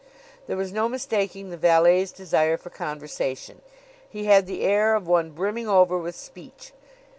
There was no mistaking the valet's desire for conversation. He had the air of one brimming over with speech.